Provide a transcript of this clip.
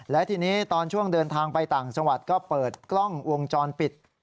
และทีนี้ตอนช่วงเดินทางไปต่างจังหวัดก็เปิดกล้องวงจรปิด